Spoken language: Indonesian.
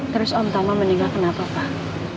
terus om tama meninggal kenapa pak